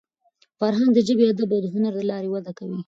فرهنګ د ژبي، ادب او هنر له لاري وده کوي.